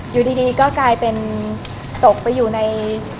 อยู่ดีก็กลายเป็นตกไปอยู่ใน